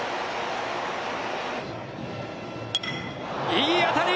いい当たり！